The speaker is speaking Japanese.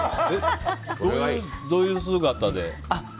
どういう姿で？